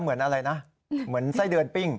เหมือนอะไรนะเหมือนไส้เดือนปิ้ง